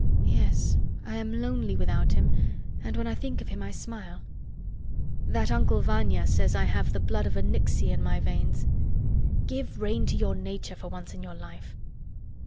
Yes, I am lonely without him, and when I think of him I smile. That Uncle Vanya says I have the blood of a Nixey in my veins: "Give rein to your nature for once in your life!"